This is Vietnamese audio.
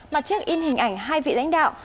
mà trước in hình ảnh hai vị lãnh đạo